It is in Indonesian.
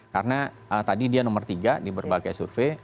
karena tadi dia nomor tiga di berbagai survei